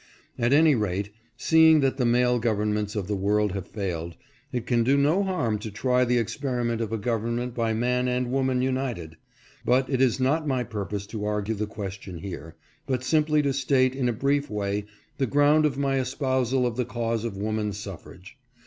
At any rate, seeing that the male govern ments of the world have failed, it can do no harm to try the experiment of a government by man and woman united. But it is not my purpose to argue the question here, but simply to state in a brief way the ground of my espousal of the cause of woman's suffrage.